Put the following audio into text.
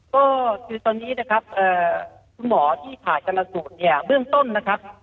ก็คือตอนนี้นะครับคุณหมอที่ผ่าชนสูตรเนี่ยเบื้องต้นนะครับ